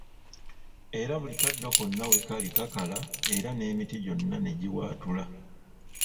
Era buli kaddo konna wekali kakala era n'emiti gyonna negiwaatula.